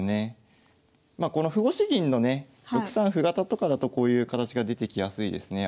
この歩越し銀のね６三歩型とかだとこういう形が出てきやすいですねやっぱり。